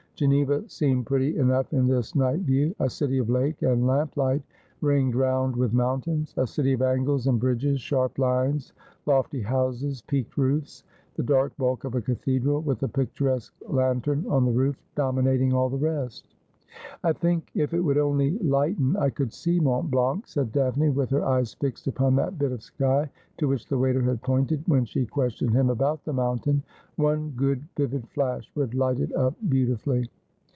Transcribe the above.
Geneva seemed pretty enough in this night view — a city of lake and lamplight, ringed round with mountains ; a city of angles and bridges, sharp lines, lofty houses, peaked roofs ; the dark bulk of a cathedral, with a picturesque lantern on the roof, dominating all the rest. ' I think if it would only lighten I could see Mont Blanc,' said Daphne, with her eyes fixed upon that bit of sky to which the waiter had pointed when she questioned him about the mountain. ' One good vivid flash would light it up beauti fully.'